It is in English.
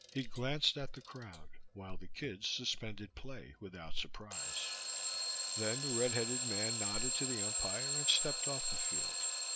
He glanced at the crowd, while the kids suspended play without surprise. Then the red headed man nodded to the umpire and stepped off the field.